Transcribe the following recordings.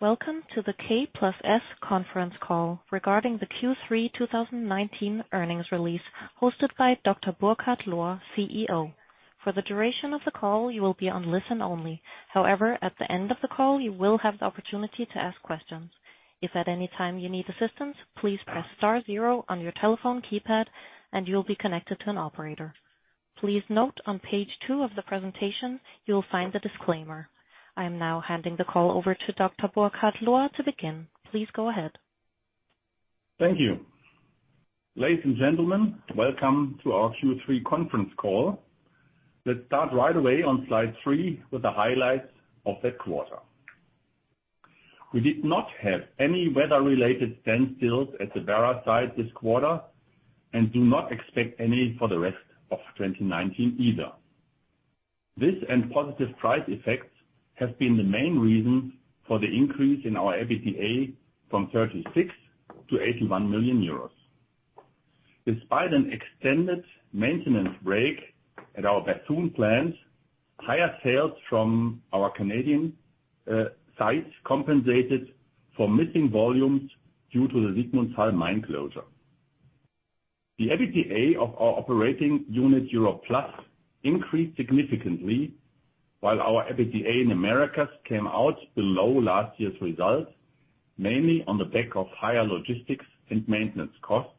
Welcome to the K+S conference call regarding the Q3 2019 earnings release hosted by Dr. Burkhard Lohr, CEO. For the duration of the call, you will be on listen only. However, at the end of the call, you will have the opportunity to ask questions. If at any time you need assistance, please press star zero on your telephone keypad and you will be connected to an operator. Please note on page two of the presentation, you will find the disclaimer. I am now handing the call over to Dr. Burkhard Lohr to begin. Please go ahead. Thank you. Ladies and gentlemen, welcome to our Q3 conference call. Let's start right away on slide three with the highlights of that quarter. We did not have any weather-related standstills at the Werra site this quarter and do not expect any for the rest of 2019 either. This and positive price effects have been the main reason for the increase in our EBITDA from 36 to 81 million euros. Despite an extended maintenance break at our Bethune plant, higher sales from our Canadian sites compensated for missing volumes due to the Sigmundshall mine closure. The EBITDA of our operating unit Europe+ increased significantly, while our EBITDA in Americas came out below last year's results, mainly on the back of higher logistics and maintenance costs,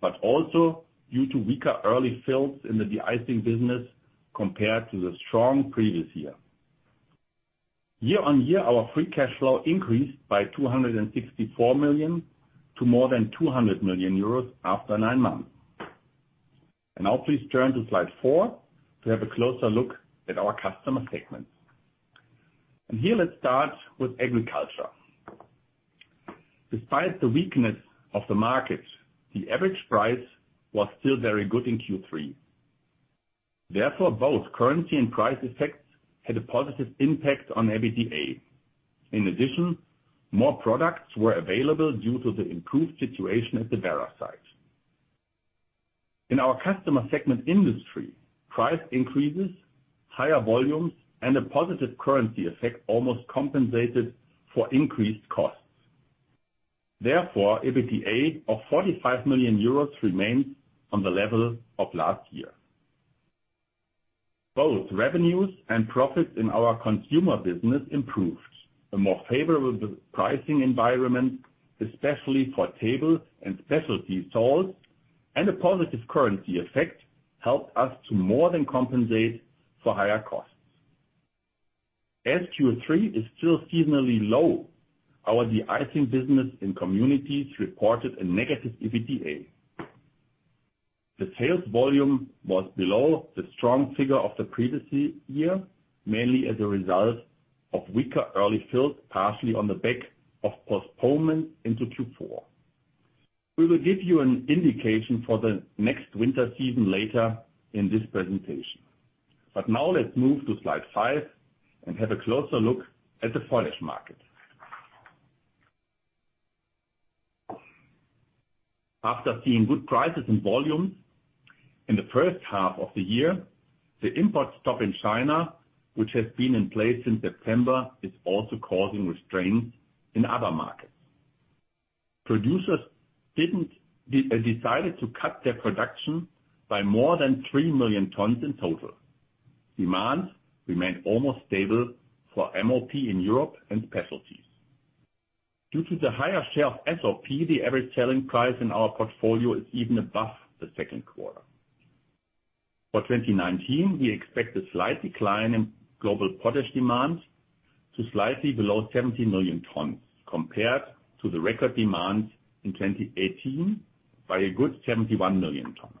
but also due to weaker early fills in the de-icing business compared to the strong previous year. Year-on-year, our free cash flow increased by 264 million to more than 200 million euros after nine months. Now please turn to slide four to have a closer look at our customer segments. Here let's start with agriculture. Despite the weakness of the market, the average price was still very good in Q3. Therefore, both currency and price effects had a positive impact on EBITDA. In addition, more products were available due to the improved situation at the Werra site. In our customer segment industry, price increases, higher volumes, and a positive currency effect almost compensated for increased costs. Therefore, EBITDA of 45 million euros remains on the level of last year. Both revenues and profits in our consumer business improved. A more favorable pricing environment, especially for table and specialty salts, and a positive currency effect helped us to more than compensate for higher costs. As Q3 is still seasonally low, our de-icing business in communities reported a negative EBITDA. The sales volume was below the strong figure of the previous year, mainly as a result of weaker early fills, partially on the back of postponement into Q4. We will give you an indication for the next winter season later in this presentation. Now let's move to slide five and have a closer look at the potash market. After seeing good prices and volumes in the first half of the year, the import stop in China, which has been in place since September, is also causing restraints in other markets. Producers decided to cut their production by more than 3 million tons in total. Demand remained almost stable for MOP in Europe and specialties. Due to the higher share of SOP, the average selling price in our portfolio is even above the second quarter. For 2019, we expect a slight decline in global potash demand to slightly below 70 million tons compared to the record demand in 2018 by a good 71 million tons.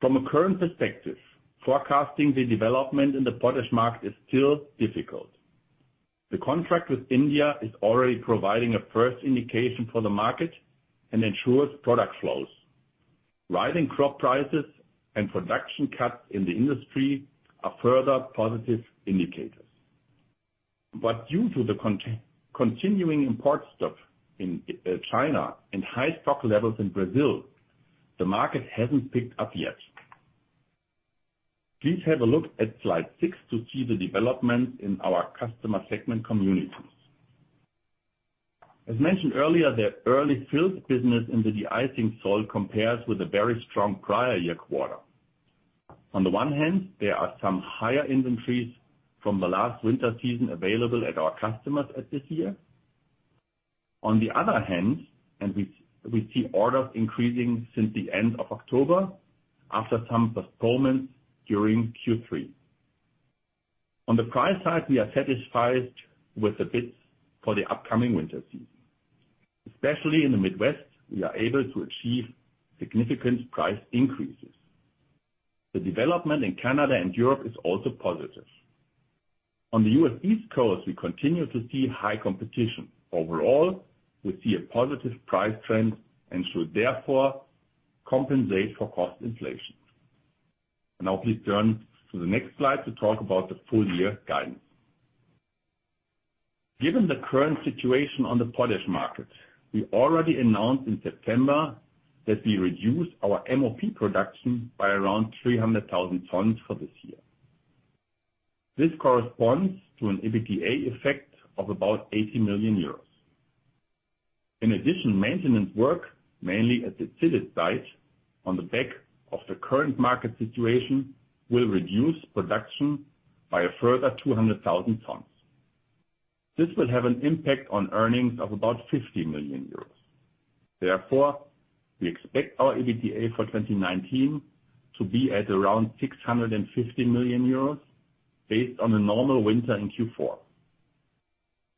From a current perspective, forecasting the development in the potash market is still difficult. The contract with India is already providing a first indication for the market and ensures product flows. Rising crop prices and production cuts in the industry are further positive indicators. Due to the continuing import stop in China and high stock levels in Brazil, the market hasn't picked up yet. Please have a look at slide six to see the development in our customer segment communities. As mentioned earlier, the early fills business in the de-icing salt compares with a very strong prior year quarter. On the one hand, there are some higher inventories from the last winter season available at our customers as this year. On the other hand, we see orders increasing since the end of October after some postponements during Q3. On the price side, we are satisfied with the bids for the upcoming winter season. Especially in the Midwest, we are able to achieve significant price increases. The development in Canada and Europe is also positive. On the U.S. East Coast, we continue to see high competition. Overall, we see a positive price trend and should therefore compensate for cost inflation. Now please turn to the next slide to talk about the full year guidance. Given the current situation on the potash market, we already announced in September that we reduced our MOP production by around 300,000 tons for this year. This corresponds to an EBITDA effect of about 80 million euros. In addition, maintenance work, mainly at the Sigmundshall site on the back of the current market situation, will reduce production by a further 200,000 tons. This will have an impact on earnings of about 50 million euros. Therefore, we expect our EBITDA for 2019 to be at around 650 million euros, based on a normal winter in Q4.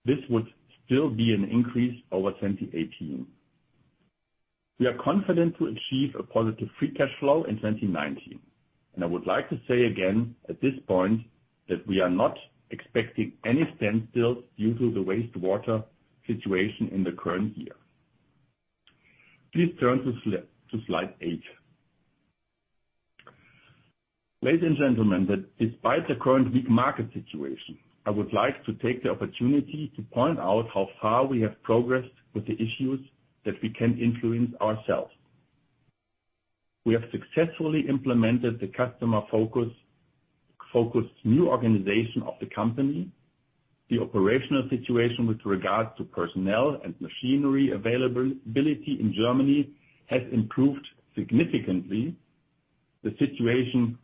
This would still be an increase over 2018. We are confident to achieve a positive free cash flow in 2019, and I would like to say again, at this point, that we are not expecting any standstills due to the wastewater situation in the current year. Please turn to slide eight. Ladies and gentlemen, despite the current weak market situation, I would like to take the opportunity to point out how far we have progressed with the issues that we can influence ourselves. We have successfully implemented the customer-focused new organization of the company. The operational situation with regards to personnel and machinery availability in Germany has improved significantly. The situation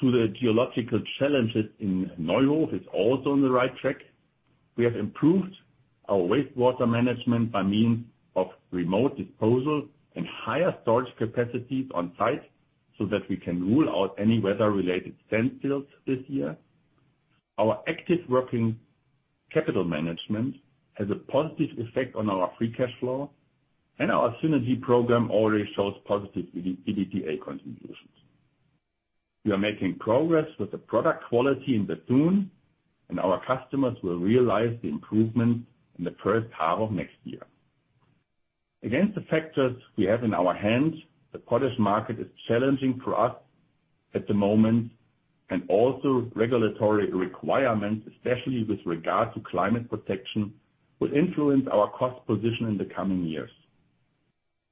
to the geological challenges in Neuhof is also on the right track. We have improved our wastewater management by means of remote disposal and higher storage capacities on site so that we can rule out any weather-related standstills this year. Our active working capital management has a positive effect on our free cash flow. Our synergy program already shows positive EBITDA contributions. We are making progress with the product quality in Bethune. Our customers will realize the improvement in the first half of next year. Against the factors we have in our hands, the potash market is challenging for us at the moment. Also regulatory requirements, especially with regard to climate protection, will influence our cost position in the coming years.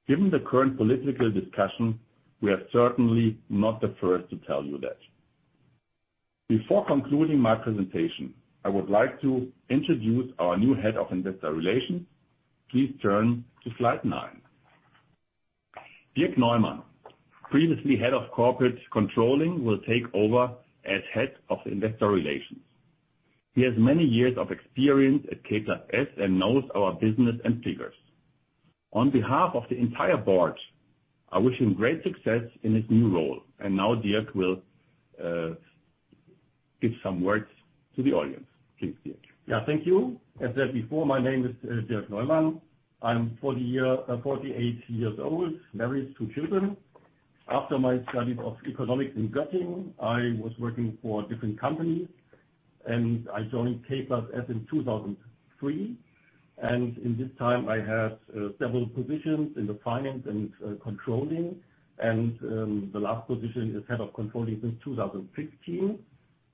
Given the current political discussion, we are certainly not the first to tell you that. Before concluding my presentation, I would like to introduce our new Head of Investor Relations. Please turn to slide nine. Dirk Neumann, previously Head of Corporate Controlling, will take over as Head of Investor Relations. He has many years of experience at K+S and knows our business and figures. On behalf of the entire Board, I wish him great success in his new role. Now Dirk will give some words to the audience. Please, Dirk. Yeah, thank you. As said before, my name is Dirk Neumann. I'm 48 years old, married with two children. After my study of economics in Göttingen, I was working for different companies, and I joined K+S in 2003. In this time, I had several positions in the finance and controlling, and the last position is head of controlling since 2015.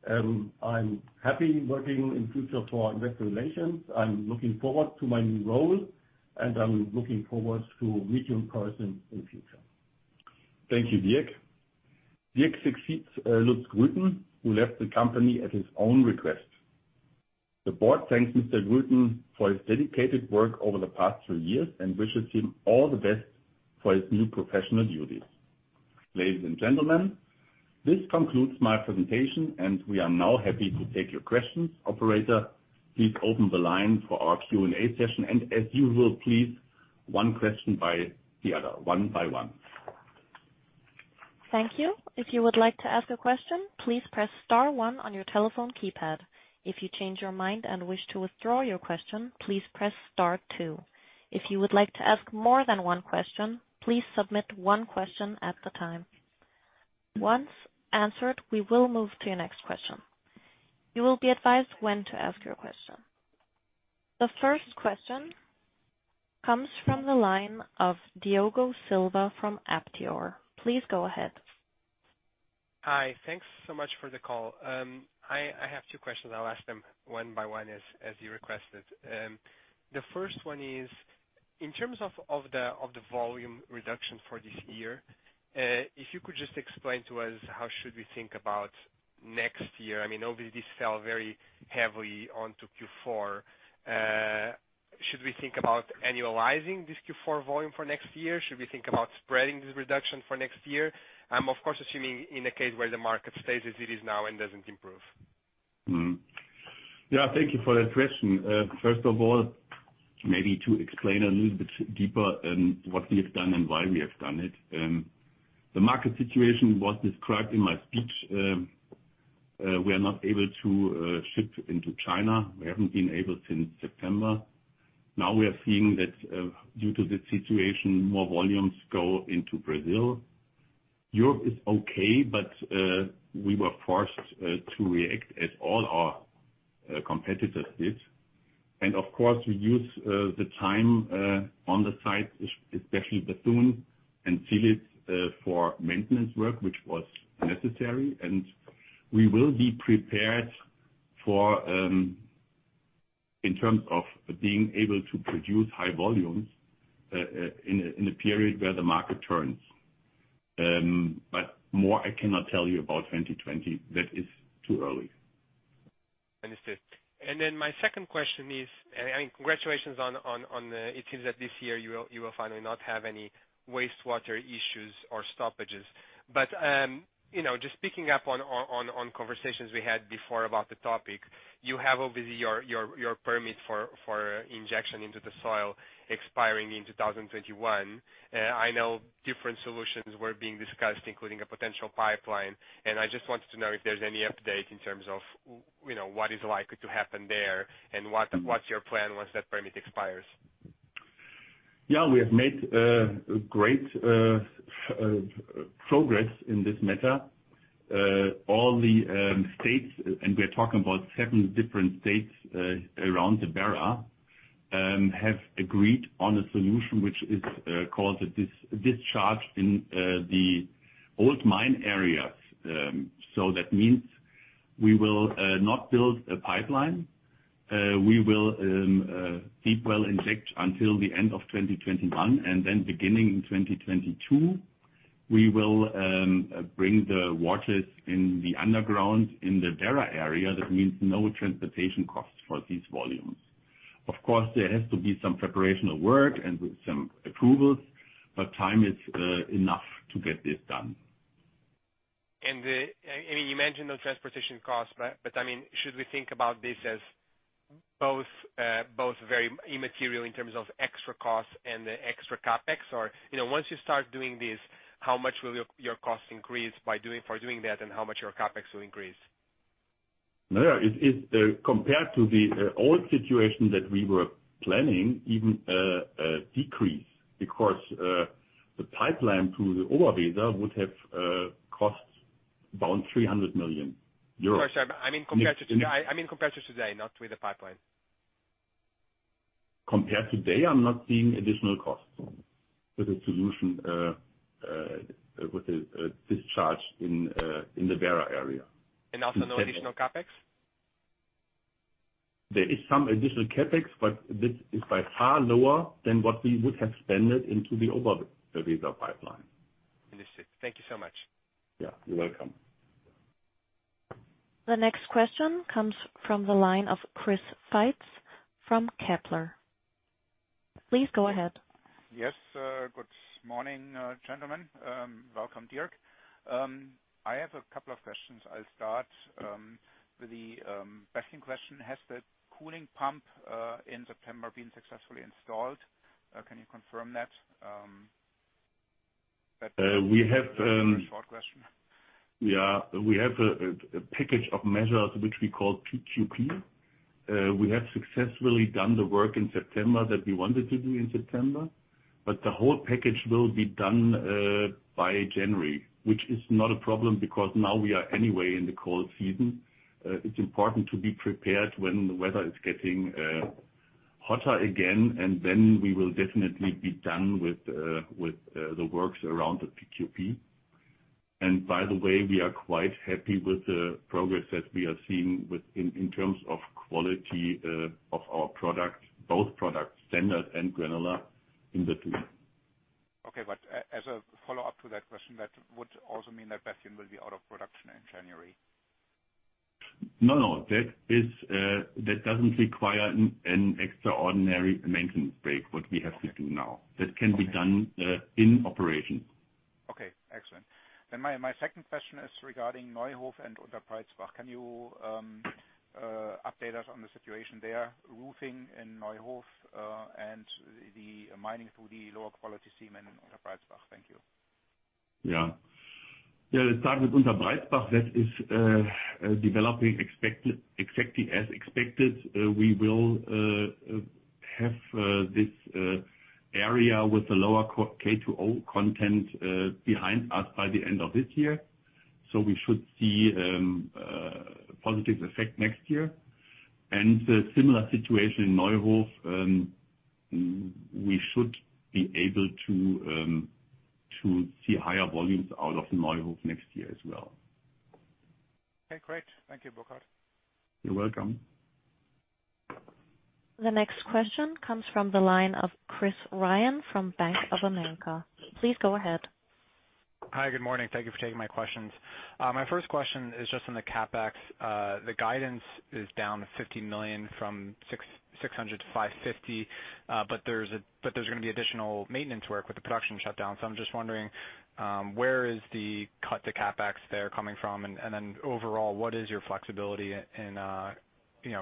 I'm happy working in future for investor relations. I'm looking forward to my new role, and I'm looking forward to meet you in person in future. Thank you, Dirk. Dirk succeeds Lutz Grüten, who left the company at his own request. The board thanks Mr. Grüten for his dedicated work over the past few years and wishes him all the best for his new professional duties. Ladies and gentlemen, this concludes my presentation, and we are now happy to take your questions. Operator, please open the line for our Q&A session, and as usual, please, one question by the other. One by one. Thank you. If you would like to ask a question, please press star one on your telephone keypad. If you change your mind and wish to withdraw your question, please press star two. If you would like to ask more than one question, please submit one question at a time. Once answered, we will move to your next question. You will be advised when to ask your question. The first question comes from the line of Diogo Silva from Aptior. Please go ahead. Hi. Thanks so much for the call. I have two questions. I'll ask them one by one as you requested. The first one is, in terms of the volume reduction for this year, if you could just explain to us how should we think about next year? Obviously, this fell very heavily onto Q4. Should we think about annualizing this Q4 volume for next year? Should we think about spreading the reduction for next year? I'm, of course, assuming in a case where the market stays as it is now and doesn't improve. Yeah, thank you for that question. First of all, maybe to explain a little bit deeper what we have done and why we have done it. The market situation was described in my speech. We are not able to ship into China. We haven't been able since September. Now we are seeing that due to the situation, more volumes go into Brazil. Europe is okay, but we were forced to react as all our competitors did. Of course, we use the time on the site, especially Bethune and Philippsthal for maintenance work, which was necessary. We will be prepared in terms of being able to produce high volumes in a period where the market turns. More I cannot tell you about 2020. That is too early. Understood. My second question is, and congratulations on, it seems that this year you will finally not have any wastewater issues or stoppages. Just picking up on conversations we had before about the topic, you have obviously your permit for injection into the soil expiring in 2021. I know different solutions were being discussed, including a potential pipeline, and I just wanted to know if there's any update in terms of what is likely to happen there and what's your plan once that permit expires? We have made great progress in this matter. All the states, and we're talking about seven different states around the Werra, have agreed on a solution which is called the discharge in the old mine areas. That means we will not build a pipeline. We will deep well inject until the end of 2021, then beginning in 2022, we will bring the waters in the underground in the Werra area. That means no transportation costs for these volumes. Of course, there has to be some preparational work and with some approvals, but time is enough to get this done. You mentioned those transportation costs, but should we think about this as both very immaterial in terms of extra costs and the extra CapEx? Once you start doing this, how much will your cost increase for doing that, and how much your CapEx will increase? No. Compared to the old situation that we were planning, even a decrease because the pipeline to the Oberweser would have cost around 300 million euros. Sorry, I mean compared to today, not with the pipeline. Compared today, I'm not seeing additional costs with a solution with a discharge in the Werra area. Also no additional CapEx? There is some additional CapEx, but this is by far lower than what we would have spent into the Oberweser pipeline. Understood. Thank you so much. Yeah, you're welcome. The next question comes from the line of Chris Faitz from Kepler. Please go ahead. Yes. Good morning, gentlemen. Welcome, Dirk. I have a couple of questions. I'll start with the Bethune question. Has the cooling pump in September been successfully installed? Can you confirm that? We have- Very short question. We have a package of measures which we call PQP. We have successfully done the work in September that we wanted to do in September. The whole package will be done by January, which is not a problem because now we are anyway in the cold season. It is important to be prepared when the weather is getting hotter again. We will definitely be done with the works around the PQP. By the way, we are quite happy with the progress that we are seeing in terms of quality of our products, both products, standard and granular, in Bethune. Okay. As a follow-up to that question, that would also mean that Bethune will be out of production in January? No, no. That doesn't require an extraordinary maintenance break, what we have to do now. Okay. That can be done in operation. Okay, excellent. My second question is regarding Neuhof and Unterbreizbach. Can you update us on the situation there? Roofing in Neuhof, and the mining through the lower quality seam in Unterbreizbach. Thank you. Yeah. Starting with Unterbreizbach, that is developing exactly as expected. We will have this area with a lower K2O content behind us by the end of this year. We should see a positive effect next year. A similar situation in Neuhof, we should be able to see higher volumes out of Neuhof next year as well. Okay, great. Thank you, Burkhard. You're welcome. The next question comes from the line of Chris Ryan from Bank of America. Please go ahead. Hi, good morning. Thank you for taking my questions. My first question is just on the CapEx. The guidance is down to 15 million from 600 million to 550 million. There's going to be additional maintenance work with the production shutdown. I'm just wondering, where is the cut to CapEx there coming from? Overall, what is your flexibility in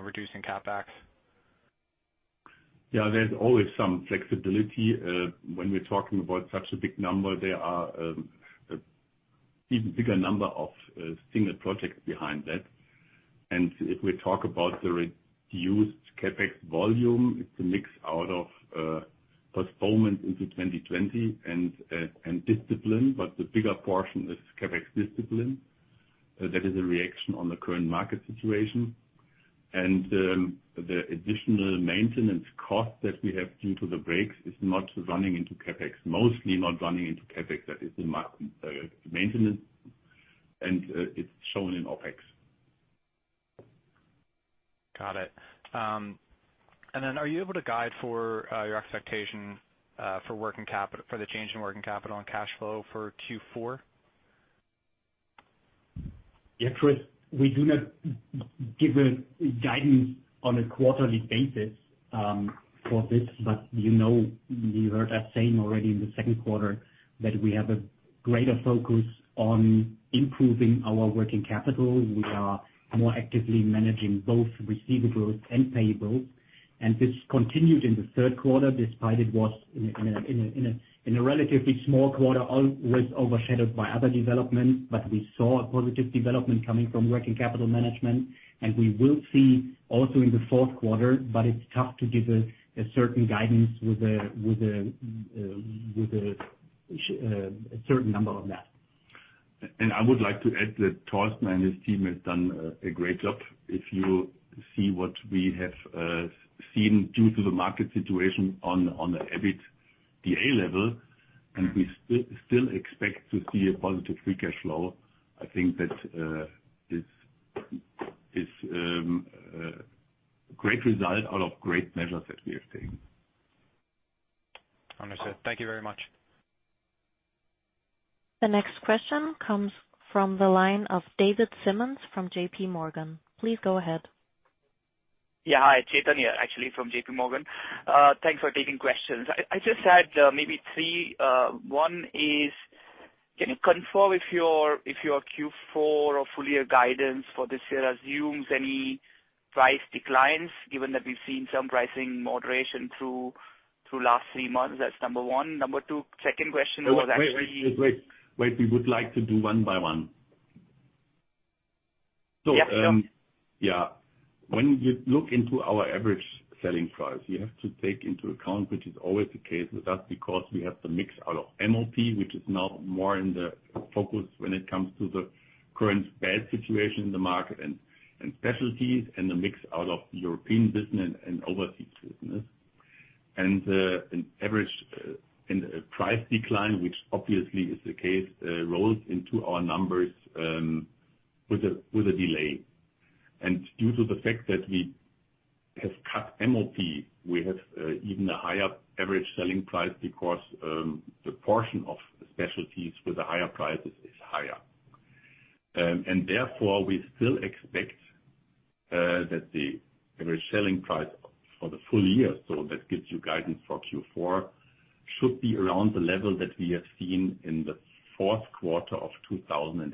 reducing CapEx? Yeah, there's always some flexibility. When we're talking about such a big number, there are an even bigger number of single projects behind that. If we talk about the reduced CapEx volume, it's a mix out of postponement into 2020 and discipline, but the bigger portion is CapEx discipline. That is a reaction on the current market situation, and the additional maintenance cost that we have due to the breaks is not running into CapEx. Mostly not running into CapEx, that is in maintenance, and it's shown in OpEx. Got it. Are you able to guide for your expectation for the change in working capital and cash flow for Q4? Yeah, Chris, we do not give a guidance on a quarterly basis for this. You know we heard as same already in the second quarter that we have a greater focus on improving our working capital. We are more actively managing both receivables and payables. This continued in the third quarter, despite it was in a relatively small quarter, was overshadowed by other developments. We saw a positive development coming from working capital management, and we will see also in the fourth quarter, but it's tough to give a certain guidance with a certain number on that. I would like to add that Thorsten and his team have done a great job. If you see what we have seen due to the market situation on the EBITDA level, we still expect to see a positive free cash flow. I think that is great result out of great measures that we are taking. Understood. Thank you very much. The next question comes from the line of David Simmons from JPMorgan. Please go ahead. Yeah. Hi, Chetan here, actually from JPMorgan. Thanks for taking questions. I just had maybe three. One is, can you confirm if your Q4 or full year guidance for this year assumes any price declines given that we've seen some pricing moderation through last three months? That's number one. Number two, second question was actually. Wait. We would like to do one by one. Yeah. Yeah. When you look into our average selling price, you have to take into account, which is always the case with us, because we have the mix out of MOP, which is now more in the focus when it comes to the current bad situation in the market, and specialties, and the mix out of European business and overseas business. An average price decline, which obviously is the case, rolls into our numbers with a delay. Due to the fact that we have cut MOP, we have even a higher average selling price because the portion of the specialties with a higher price is higher. Therefore, we still expect that the average selling price for the full year, so that gives you guidance for Q4, should be around the level that we have seen in the fourth quarter of 2018.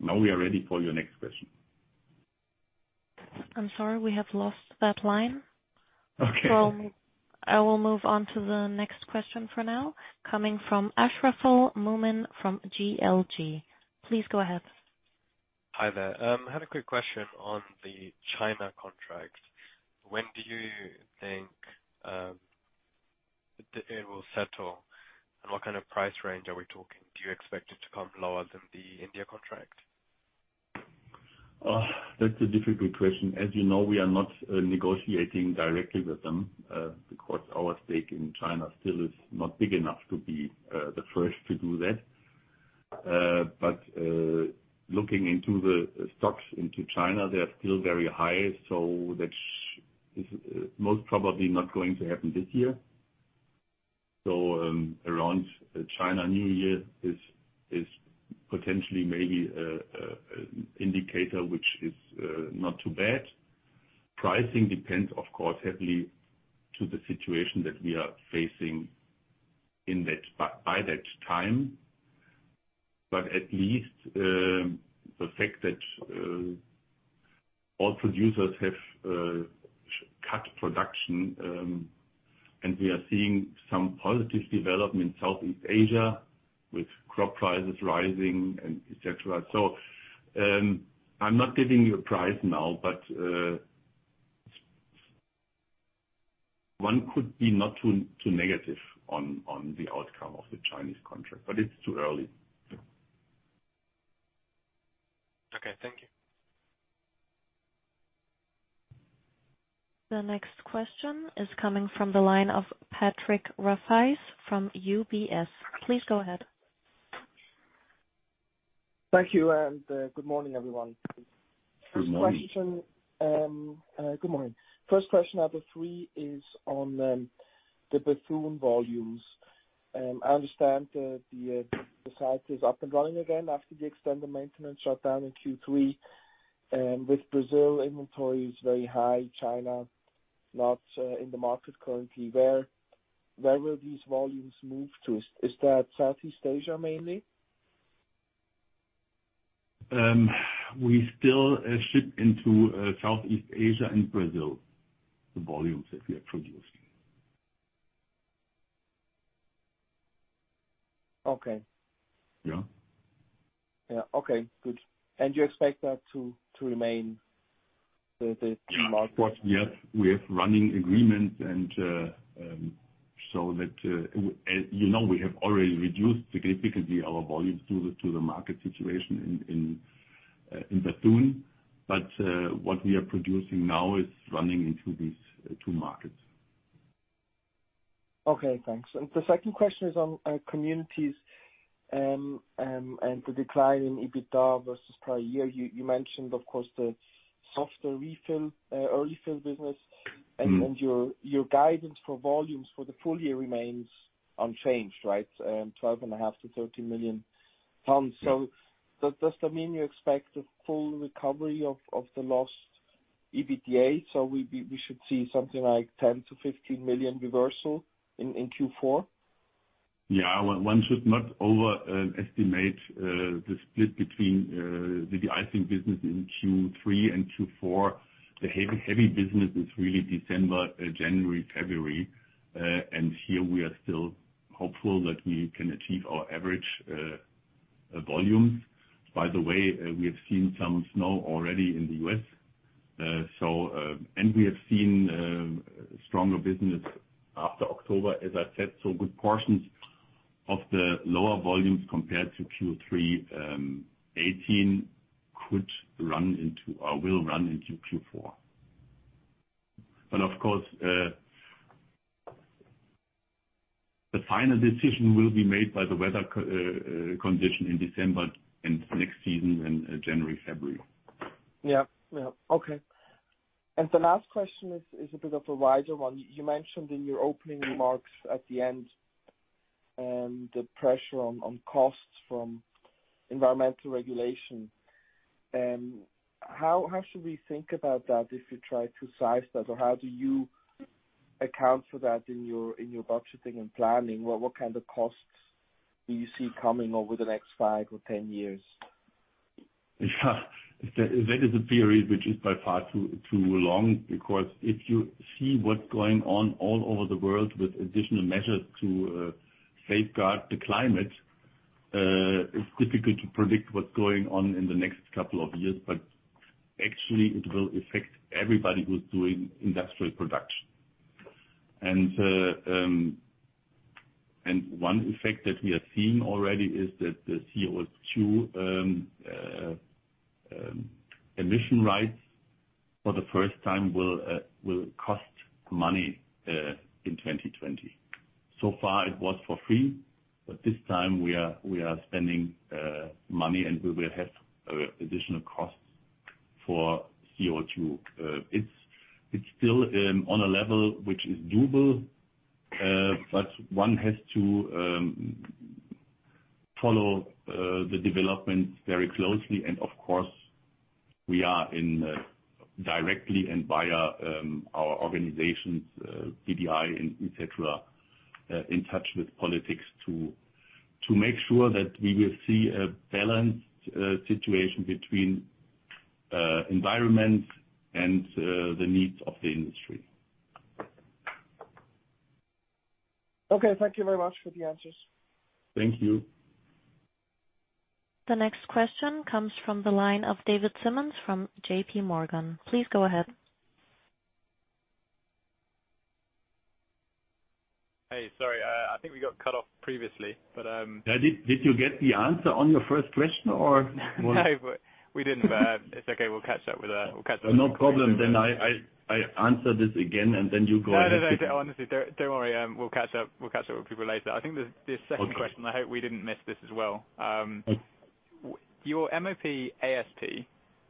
Now we are ready for your next question. I'm sorry, we have lost that line. Okay. I will move on to the next question for now, coming from Ashraful Mumin from GLG. Please go ahead. Hi there. I had a quick question on the China contract. When do you think it will settle, and what kind of price range are we talking? Do you expect it to come lower than the India contract? That's a difficult question. As you know, we are not negotiating directly with them, because our stake in China still is not big enough to be the first to do that. Looking into the stocks into China, they are still very high, so that is most probably not going to happen this year. Around Chinese New Year is potentially maybe an indicator which is not too bad. Pricing depends, of course, heavily to the situation that we are facing by that time. At least the fact that all producers have cut production, and we are seeing some positive development in Southeast Asia with crop prices rising and et cetera. I'm not giving you a price now, but one could be not too negative on the outcome of the Chinese contract, but it's too early. Okay. Thank you. The next question is coming from the line of Patrick Rafaisz from UBS. Please go ahead. Thank you, and good morning, everyone. Good morning. Good morning. First question out of three is on the Bethune volumes. I understand the site is up and running again after the extended maintenance shutdown in Q3, with Brazil inventories very high, China not in the market currently. Where will these volumes move to? Is that Southeast Asia mainly? We still ship into Southeast Asia and Brazil, the volumes that we are producing. Okay. Yeah. Yeah. Okay, good. You expect that to remain the market? Yes, we have running agreements. We have already reduced significantly our volumes due to the market situation in Bethune. What we are producing now is running into these two markets. Okay, thanks. The second question is on Americas, and the decline in EBITDA versus prior year. You mentioned, of course, the softer early fill business. Your guidance for volumes for the full year remains unchanged, right? 12.5 million-13 million tons. Does that mean you expect a full recovery of the lost EBITDA? We should see something like 10 million-15 million reversal in Q4? Yeah. One should not overestimate the split between the de-icing business in Q3 and Q4. The heavy business is really December, January, February. Here we are still hopeful that we can achieve our average volumes. By the way, we have seen some snow already in the U.S., and we have seen stronger business after October, as I said. Good portions of the lower volumes compared to Q3 2018 will run into Q4. Of course, the final decision will be made by the weather condition in December and next season in January, February. Yeah. Okay. The last question is a bit of a wider one. You mentioned in your opening remarks at the end, the pressure on costs from environmental regulation. How should we think about that if you try to size that? How do you account for that in your budgeting and planning? What kind of costs do you see coming over the next five or 10 years? That is a period which is by far too long. If you see what's going on all over the world with additional measures to safeguard the climate, it's difficult to predict what's going on in the next couple of years. Actually, it will affect everybody who's doing industrial production. One effect that we are seeing already is that the CO2 emission rights for the first time will cost money in 2020. So far it was for free. This time we are spending money. We will have additional costs for CO2. It's still on a level which is doable. One has to follow the developments very closely. Of course, we are in directly and via our organizations, BDI et cetera, in touch with politics to make sure that we will see a balanced situation between environment and the needs of the industry. Okay. Thank you very much for the answers. Thank you. The next question comes from the line of David Simmons from JPMorgan. Please go ahead. Hey. Sorry, I think we got cut off previously. Did you get the answer on your first question? No, we didn't, but it's okay. We'll catch up. No problem. I answer this again, and then you go ahead. No, honestly, don't worry. We'll catch up with you later. I think the second question, I hope we didn't miss this as well. Your MOP ASP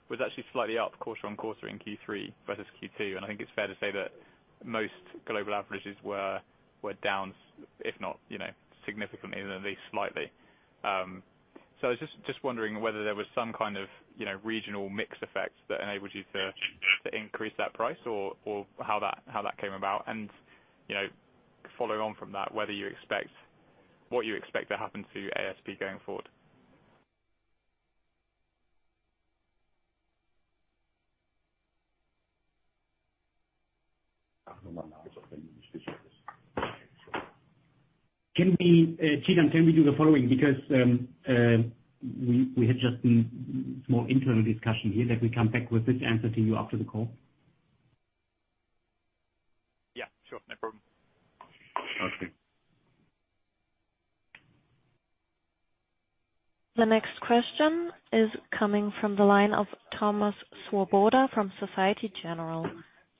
was actually slightly up quarter on quarter in Q3 versus Q2, and I think it's fair to say that most global averages were down, if not significantly, then at least slightly. I was just wondering whether there was some kind of regional mix effect that enabled you to increase that price or how that came about. Following on from that, what you expect to happen to ASP going forward. Chetan, can we do the following? We had just a small internal discussion here that we come back with this answer to you after the call. Yeah, sure. No problem. Okay. The next question is coming from the line of Thomas Swoboda from Société Générale.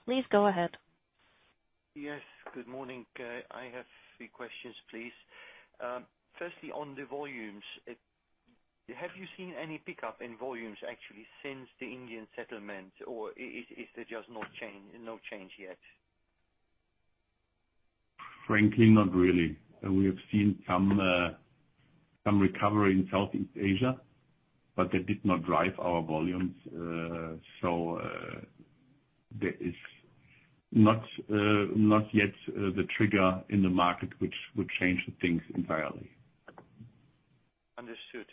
Please go ahead. Yes. Good morning. I have three questions, please. Firstly, on the volumes, have you seen any pickup in volumes actually since the Indian settlement, or is there just no change yet? Frankly, not really. We have seen some recovery in Southeast Asia, but that did not drive our volumes. There is not yet the trigger in the market which would change the things entirely. Understood.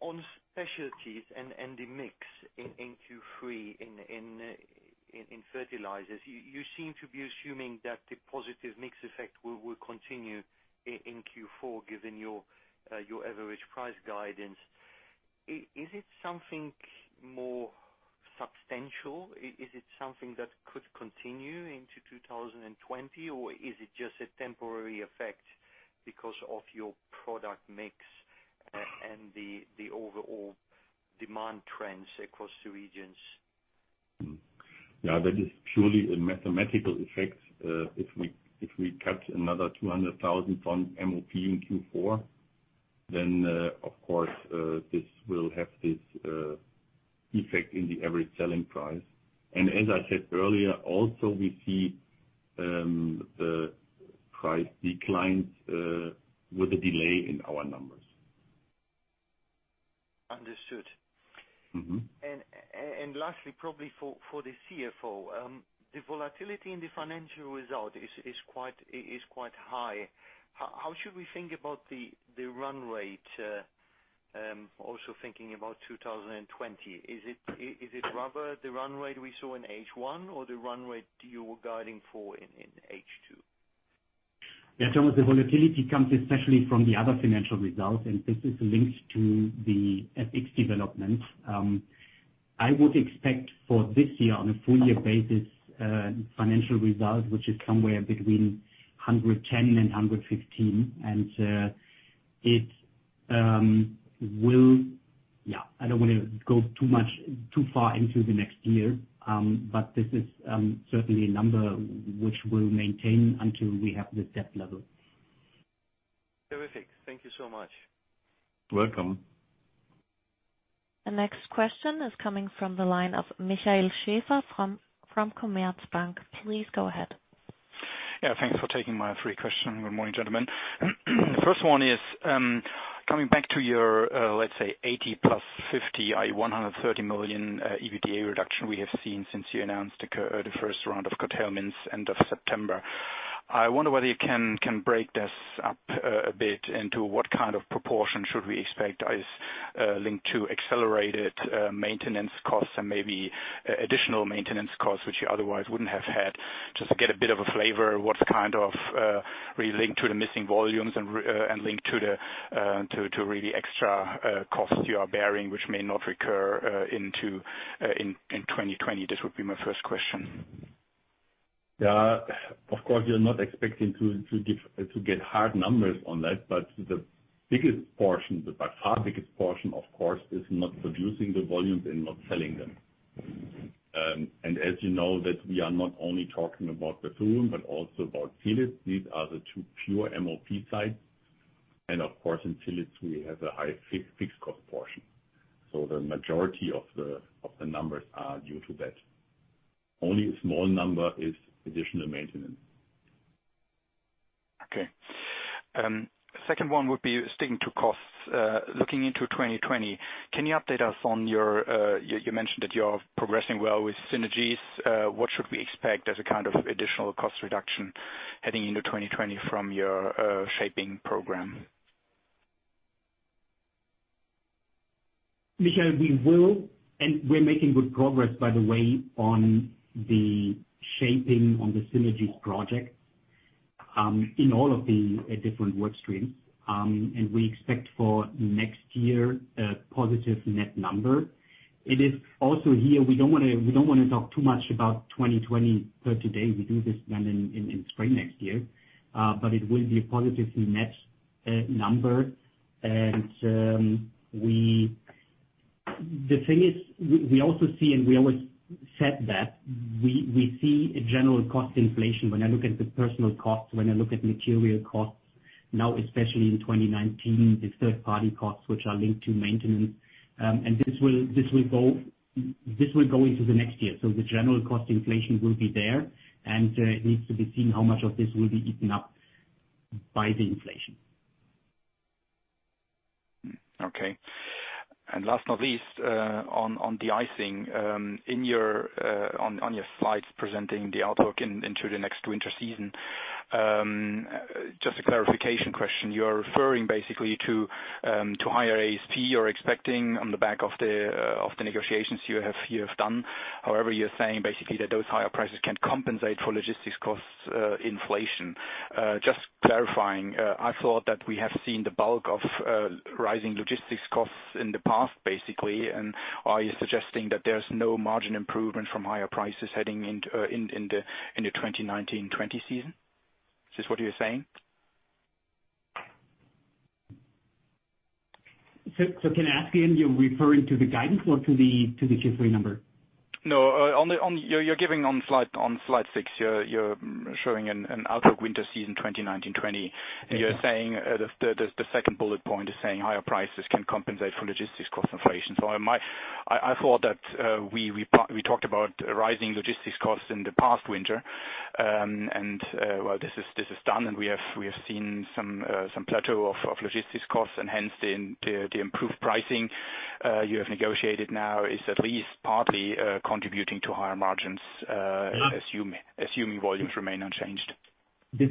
On specialties and the mix in Q3 in fertilizers, you seem to be assuming that the positive mix effect will continue in Q4, given your average price guidance. Is it something more substantial? Is it something that could continue into 2020, or is it just a temporary effect because of your product mix and the overall demand trends across the regions? Yeah, that is purely a mathematical effect. If we cut another 200,000 ton MOP in Q4, then of course this will have this effect in the average selling price. As I said earlier, also we see the price declines with a delay in our numbers. Understood. Lastly, probably for the CFO, the volatility in the financial result is quite high. How should we think about the run rate, also thinking about 2020? Is it rather the run rate we saw in H1 or the run rate you were guiding for in H2? Yeah, Thomas, the volatility comes especially from the other financial results, and this is linked to the FX development. I would expect for this year, on a full year basis, financial results, which is somewhere between 110 and 115. I don't want to go too far into the next year, this is certainly a number which we'll maintain until we have the debt level. Terrific. Thank you so much. Welcome. The next question is coming from the line of Michael Schaefer from Commerzbank. Please go ahead. Yeah, thanks for taking my 3 questions. Good morning, gentlemen. The first one is, coming back to your, let's say, 80 plus 50, i.e., 130 million EBITDA reduction we have seen since you announced the first round of curtailments end of September. I wonder whether you can break this up a bit into what kind of proportion should we expect is linked to accelerated maintenance costs and maybe additional maintenance costs, which you otherwise wouldn't have had. Just to get a bit of a flavor of what's kind of re-linked to the missing volumes and linked to the really extra costs you are bearing, which may not recur in 2020. This would be my first question. Of course, you're not expecting to get hard numbers on that, but the biggest portion, by far biggest portion, of course, is not producing the volumes and not selling them. As you know, that we are not only talking about Bethune, but also about Philippsthal. These are the 2 pure MOP sites. Of course, in Philippsthal, we have a high fixed-cost portion. The majority of the numbers are due to that. Only a small number is additional maintenance. Okay. Second one would be sticking to costs, looking into 2020. Can you update us on You mentioned that you're progressing well with synergies. What should we expect as a kind of additional cost reduction heading into 2020 from your Shaping Program? Michael, we will, and we're making good progress, by the way, on the Shaping on the synergies project, in all of the different work streams. We expect for next year a positive net number. It is also here, we don't want to talk too much about 2020 per today. We do this then in spring next year. It will be a positive net number. The thing is, we also see, and we always said that, we see a general cost inflation. When I look at the personal costs, when I look at material costs now, especially in 2019, the third-party costs, which are linked to maintenance, and this will go into the next year. The general cost inflation will be there, and it needs to be seen how much of this will be eaten up by the inflation. Okay. Last not least, on de-icing, on your slides presenting the outlook into the next winter season. Just a clarification question. You're referring basically to higher ASP you're expecting on the back of the negotiations you have done. However, you're saying basically that those higher prices can compensate for logistics cost inflation. Just clarifying, I thought that we have seen the bulk of rising logistics costs in the past, basically. Are you suggesting that there's no margin improvement from higher prices heading into 2019-'20 season? Is this what you're saying? Can I ask again, you're referring to the guidance or to the Q3 number? No, you're giving on slide six, you're showing an outlook winter season 2019-2020. Yeah. You're saying the second bullet point is saying higher prices can compensate for logistics cost inflation. I thought that we talked about rising logistics costs in the past winter, and this is done, and we have seen some plateau of logistics costs, and hence the improved pricing you have negotiated now is at least partly contributing to higher margins, assuming volumes remain unchanged. This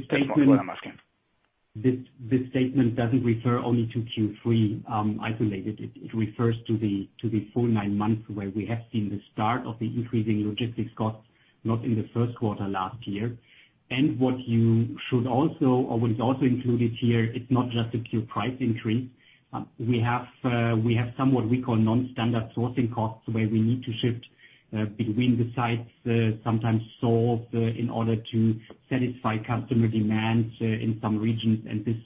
statement doesn't refer only to Q3 isolated. It refers to the full nine months where we have seen the start of the increasing logistics costs, not in the first quarter last year. What you should also, or what is also included here, it's not just a pure price increase. We have somewhat, we call non-standard sourcing costs, where we need to shift between the sites, sometimes solve in order to satisfy customer demands in some regions, and this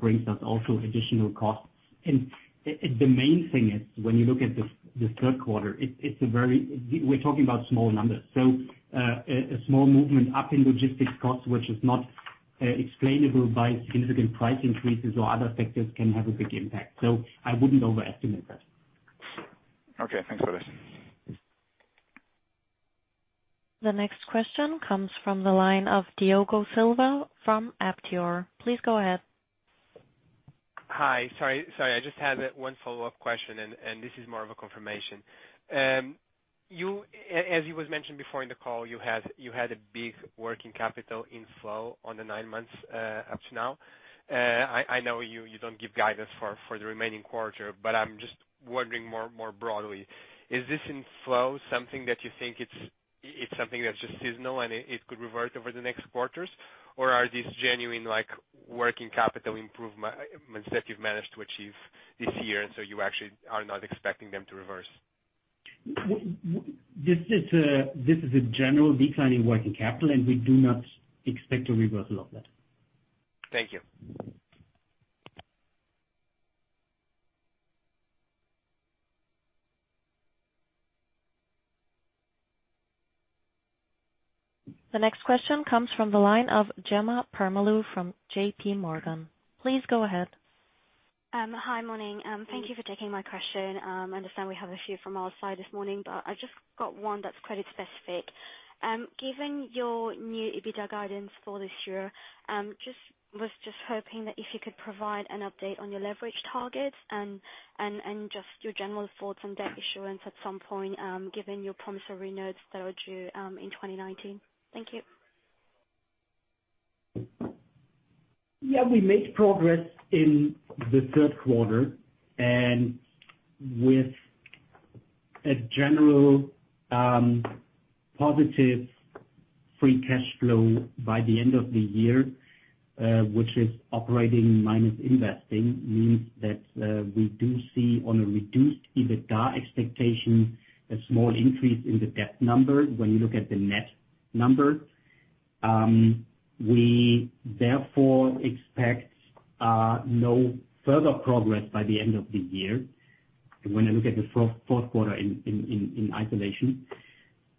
brings us also additional costs. The main thing is, when you look at the third quarter, we're talking about small numbers. A small movement up in logistics costs, which is not explainable by significant price increases or other factors, can have a big impact. I wouldn't overestimate that. Okay, thanks for this. The next question comes from the line of Diogo Silva from Aptior. Please go ahead. Hi. Sorry, I just had one follow-up question, and this is more of a confirmation. As it was mentioned before in the call, you had a big working capital inflow on the nine months up to now. I know you don't give guidance for the remaining quarter, but I'm just wondering more broadly, is this inflow something that you think it's something that's just seasonal, and it could revert over the next quarters? Are these genuine working capital improvements that you've managed to achieve this year, and so you actually are not expecting them to reverse? This is a general decline in working capital, and we do not expect a reversal of that. Thank you. The next question comes from the line of Jemma Permalloo from JPMorgan. Please go ahead. Hi, morning. Thank you for taking my question. I understand we have a few from our side this morning, but I just got one that's credit specific. Given your new EBITDA guidance for this year, was just hoping that if you could provide an update on your leverage target and just your general thoughts on debt issuance at some point, given your promissory notes that are due in 2019. Thank you. We made progress in the third quarter, with a general positive free cash flow by the end of the year, which is operating minus investing, means that we do see on a reduced EBITDA expectation, a small increase in the debt number when you look at the net number. We therefore expect no further progress by the end of the year when I look at the fourth quarter in isolation.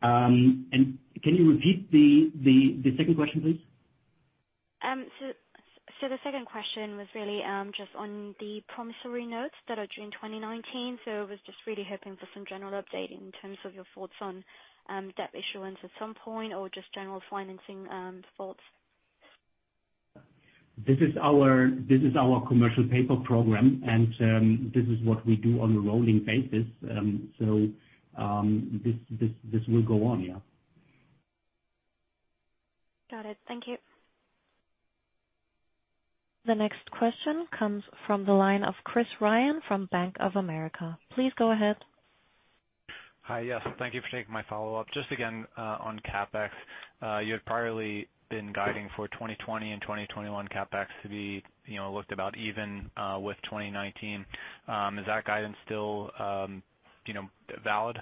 Can you repeat the second question, please? The second question was really just on the promissory notes that are due in 2019. I was just really hoping for some general update in terms of your thoughts on debt issuance at some point, or just general financing thoughts. This is our commercial paper program, and this is what we do on a rolling basis. This will go on, yeah. Got it. Thank you. The next question comes from the line of Chris Ryan from Bank of America. Please go ahead. Hi, yes. Thank you for taking my follow-up. Just again on CapEx, you had priorly been guiding for 2020 and 2021 CapEx to be looked about even with 2019. Is that guidance still valid?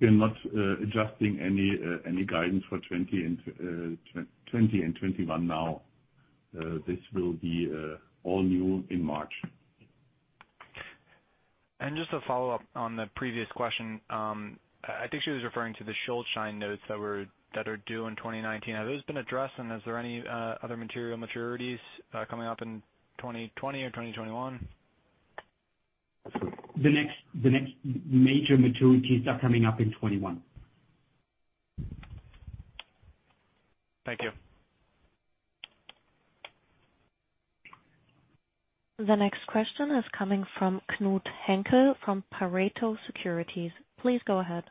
We're not adjusting any guidance for 2020 and 2021 now. This will be all new in March. Just to follow up on the previous question. I think she was referring to the Schuldschein notes that are due in 2019. Have those been addressed, and is there any other material maturities coming up in 2020 or 2021? The next major maturities are coming up in 2021. Thank you. The next question is coming from Knud Hinkel from Pareto Securities. Please go ahead.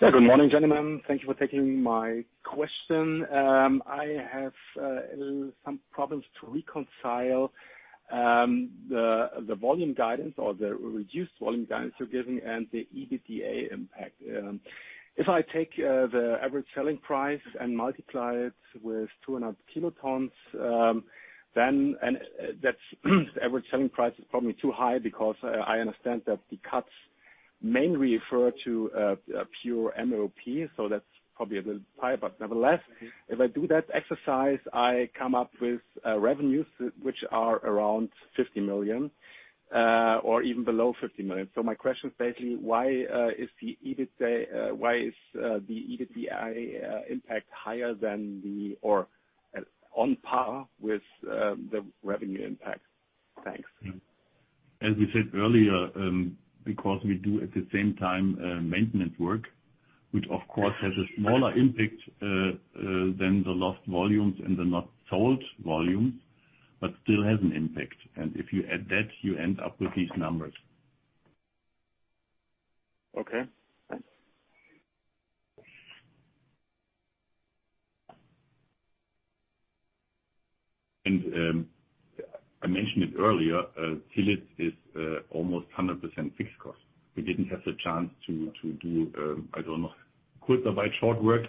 Good morning, gentlemen. Thank you for taking my question. I have some problems to reconcile the volume guidance or the reduced volume guidance you're giving and the EBITDA impact. If I take the average selling price and multiply it with 200 kilotons, that's the average selling price is probably too high because I understand that the cuts mainly refer to pure MOP, that's probably a little high. Nevertheless, if I do that exercise, I come up with revenues which are around 50 million, or even below 50 million. My question is basically, why is the EBITDA impact higher than the or on par with the revenue impact? Thanks. As we said earlier, because we do at the same time, maintenance work, which of course has a smaller impact than the lost volumes and the not sold volumes, but still has an impact. If you add that, you end up with these numbers. Okay, thanks. I mentioned it earlier, Zielitz is almost 100% fixed cost. We didn't have the chance to do, I don't know, Kurzarbeit short work,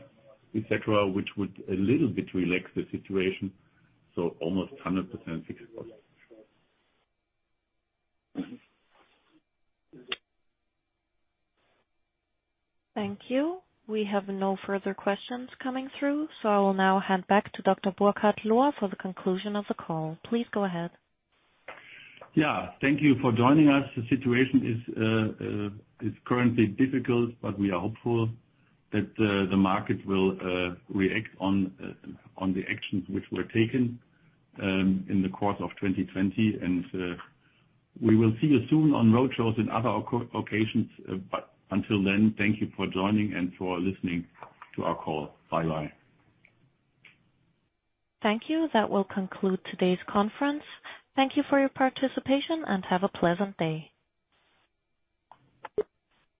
et cetera, which would a little bit relax the situation. Almost 100% fixed cost. Thank you. We have no further questions coming through, so I will now hand back to Dr. Burkhard Lohr for the conclusion of the call. Please go ahead. Yeah. Thank you for joining us. The situation is currently difficult, but we are hopeful that the market will react on the actions which were taken in the course of 2020. We will see you soon on roadshows in other locations. Until then, thank you for joining and for listening to our call. Bye-bye. Thank you. That will conclude today's conference. Thank you for your participation and have a pleasant day.